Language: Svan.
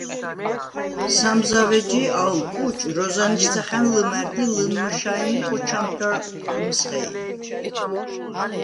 სამ ზავ ეჯი, ალ კუჭ, როზანიშცახა̈ნ ლჷმა̈რდ ი ლჷმმჷშაინ ი ხოჩამ გარ ლჷმსყეინ.